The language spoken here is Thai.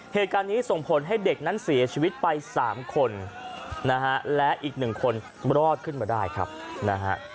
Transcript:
เหตุการณ์นี้ส่งผลให้เด็กนั้นเสียชีวิตไปสามคนนะฮะและอีกหนึ่งคนรอดขึ้นมาได้ครับนะฮะ